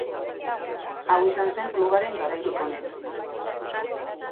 Hau izan zen klubaren garairik onena.